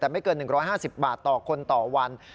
แต่ไม่เกิน๑๕๐บาทต่อคนต่อวัน